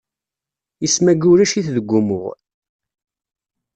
Isem-ayi ulac-it deg umuɣ.